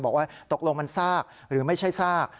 บอกว่าตกลงมันซากหรือไม่ใช่ซาก